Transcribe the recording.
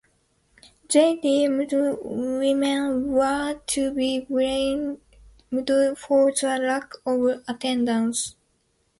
They deemed women were to be blamed for the lack of attendance.